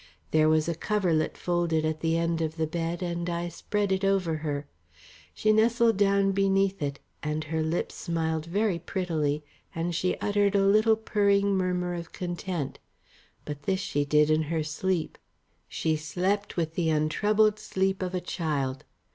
There was a coverlet folded at the end of the bed and I spread it over her. She nestled down beneath it and her lips smiled very prettily, and she uttered a little purring murmur of content; but this she did in her sleep. She slept with the untroubled sleep of a child.